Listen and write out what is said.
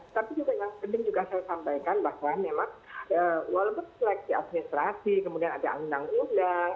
tapi juga yang penting juga saya sampaikan bahwa memang walaupun seleksi administrasi kemudian ada undang undang